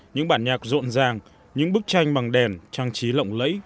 những bản nhạc rộn ràng những bức tranh bằng đèn trang trí lộng lẫy